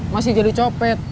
masih jadi copet